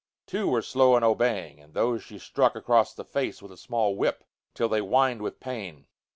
Two were slow in obeying, and those she struck across the face with a small whip, till they whined with pain.